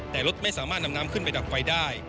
แต่รถไม่สามารถนำน้ำขึ้นไปดับไฟได้